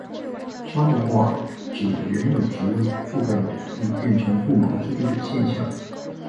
沙漠化指原由植物覆盖的土地变成不毛之地的现象。